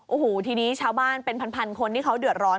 โอ้โหทีนี้ชาวบ้านเป็นพันคนที่เขาเดือดร้อน